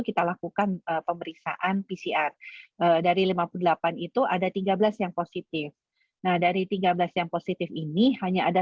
kita lakukan pemeriksaan pcr dari lima puluh delapan itu ada tiga belas yang positif nah dari tiga belas yang positif ini hanya ada